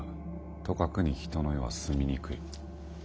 とかくに人の世は住みにくい」。